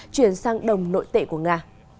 chuyển sang đồng nội tệ của nga